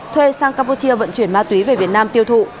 thuê sang campuchia vận chuyển ma túy về việt nam tiêu thụ